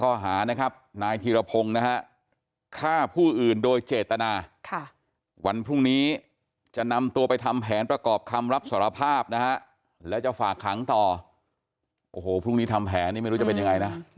ประกันได้คือความตายแต่ต้องประกันมัน